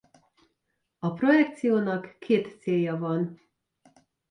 A projekciónak két célja van.